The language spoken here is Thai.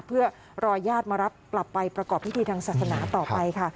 เพื่อรอญาติมารับกลับไปประกอบพิธีทางศาสนาต่อไปค่ะ